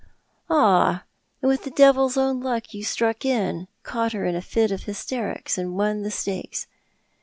" And with the devil's own luck you struck in, caught her in a fit of hysterics, and won the stakes.